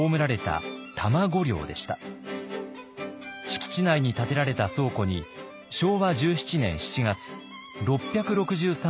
敷地内に建てられた倉庫に昭和１７年７月６６３点が移送。